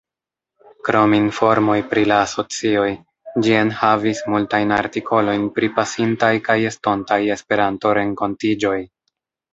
Krom informoj pri la asocioj, ĝi enhavis multajn artikolojn pri pasintaj kaj estontaj Esperanto-renkontiĝoj.